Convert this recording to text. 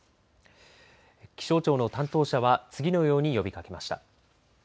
気象庁の担当者は次のように呼びかけました。